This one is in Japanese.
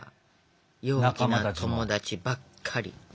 陽気な友達ばっかり。